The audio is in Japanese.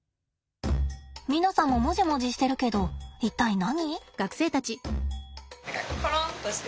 皆さんもモジモジしてるけど一体何？